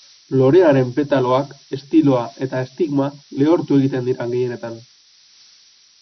Lorearen petaloak, estiloa eta estigma lehortu egiten dira gehienetan.